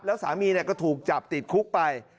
แล้วสามีก็ถูกจับติดคุกไป